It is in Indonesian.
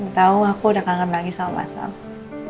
tahu aku udah kangen lagi sama sama